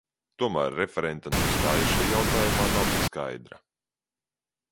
Tomēr referenta nostāja šai jautājumā nav tik skaidra.